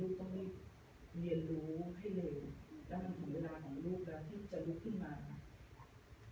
ลูกก็ไม่เรียนรู้ให้เลยแล้วมันถึงเวลาของลูกแล้วที่จะลุกขึ้นมา